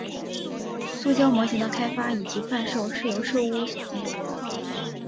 塑胶模型的开发以及贩售是由寿屋所进行的。